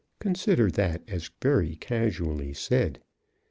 (Consider that as very casually said.)